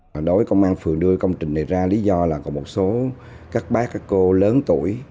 đối với công an phường đưa công trình này ra lý do là có một số các bác các cô lớn tuổi